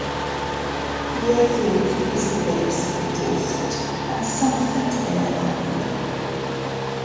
The airfield is the base for the Dorset and Somerset Air Ambulance.